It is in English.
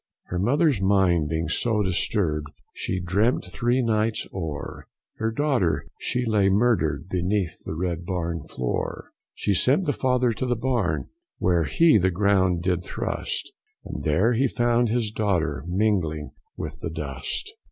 Her mother's mind being so disturbed, she dreamt three nights o'er, Her daughter she lay murdered beneath the Red barn floor; She sent the father to the barn, when he the ground did thrust, And there he found his daughter mingling with the dust.